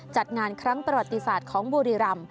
จัดงานครั้งประวัติศาสตร์ของบุรีรำ